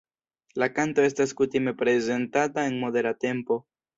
La kanto estas kutime prezentata en modera tempo.